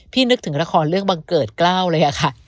นึกถึงละครเรื่องบังเกิดกล้าวเลยค่ะ